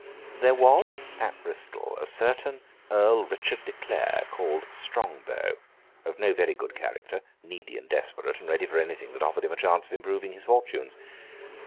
There was, at Bristol, a certain Earl Richard de Clare, called Strongbow; of no very good character; needy and desperate, and ready for anything that offered him a chance of improving his fortunes.